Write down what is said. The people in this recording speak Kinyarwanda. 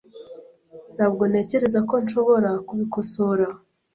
Ntabwo ntekereza ko nshobora kubikosora .